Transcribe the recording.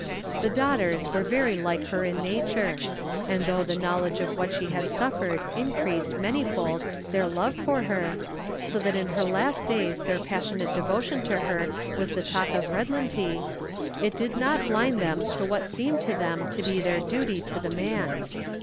The daughters were very like her in nature, and though the knowledge of what she had suffered increased many fold their love for her, so that in her last days their passionate devotion to her was the talk of Redlintie, it did not blind them to what seemed to them to be their duty to the man.